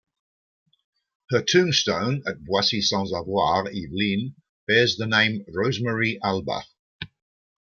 Her tombstone at Boissy-sans-Avoir, Yvelines, bears the name Rosemarie Albach.